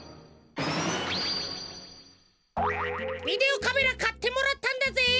ビデオカメラかってもらったんだぜ。